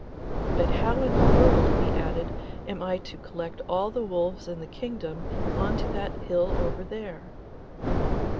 'But how in the world,' he added, 'am I to collect all the wolves of the kingdom on to that hill over there?